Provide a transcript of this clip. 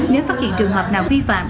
nếu phát hiện trường hợp nào phi phạm